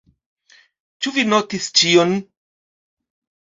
Ĉu vi notis ĉion?